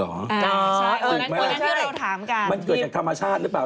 อ๋อใช่คนนั้นที่เราถามกันที่มันเกิดจากธรรมชาติหรือเปล่า